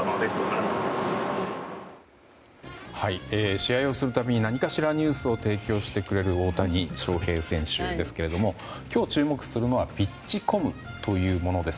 試合をするたびに何かしらニュースを提供してくれる大谷翔平選手ですけれども今日注目するのはピッチコムというものです。